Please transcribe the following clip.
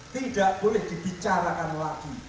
tidak boleh dibicarakan lagi